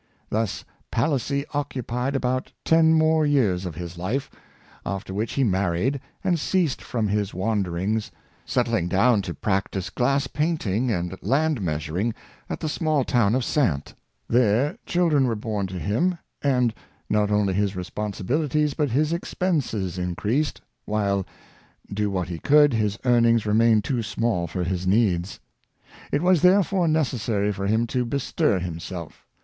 Thus Palissy occupied about ten more years of his life, after which he married, and ceased from his wander ings, settling down to practice glass painting and land measuring at the small town of Saintes. There chil dren were born to him, and, not only his responsibilities, but his expenses increased, while, do what he could, his earnings remained too small for his needs. It was, therefore, necessary for him to bestir himself.